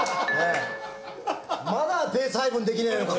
まだペース配分できねえのか